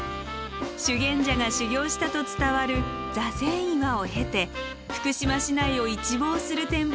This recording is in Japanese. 修験者が修行したと伝わる座禅岩を経て福島市内を一望する展望台を目指します。